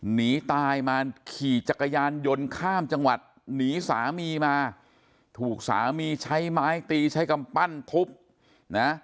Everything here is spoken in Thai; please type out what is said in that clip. หนีตายมาขี่จักรยานยนต์ข้ามจังหวัดหนีสามีมาถูกสามีใช้ไม้ตีใช้กำปั้นทุบนะ